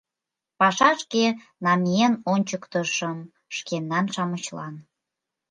Пашашке намиен ончыктышым шкенан-шамычлан.